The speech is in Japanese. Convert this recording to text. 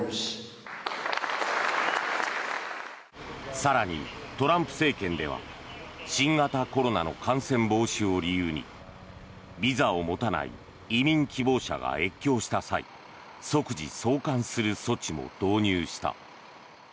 更に、トランプ政権では新型コロナの感染防止を理由にビザを持たない移民希望者が越境した際即時送還する措置も導入した。